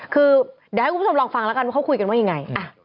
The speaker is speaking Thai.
คือเดี๋ยวให้คุณผู้ชมลองฟังแล้วกันว่าเขาคุยกันว่ายังไง